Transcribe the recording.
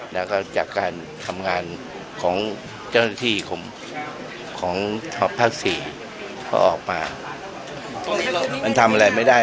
แล้วก็จากการทำงานของเจ้าหน้าที่ของภาคสี่ก็ออกมามันทำอะไรไม่ได้